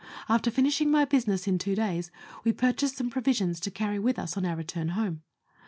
After finishing my business in two days, we purchased some provisions to carry with us on our return home.